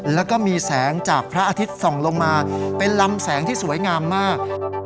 แล้วก็มีแสงจากพระอาทิตย์ส่องลงมาเป็นลำแสงที่สวยงามมาก